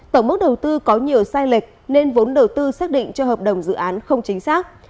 tổng mức đầu tư có nhiều sai lệch nên vốn đầu tư xác định cho hợp đồng dự án không chính xác